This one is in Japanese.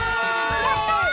やった！